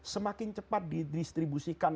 semakin cepat di distribusikan